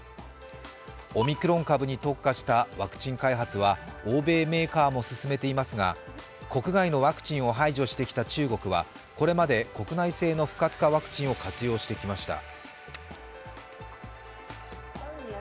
オミクロン株に特化したワクチン開発は欧米メーカーも進めていますが国外のワクチンを排除してきた中国はこれまで国内製の不活化ワクチンを活用してきました。